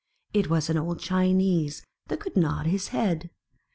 It was an old Chinese, that could nod his head.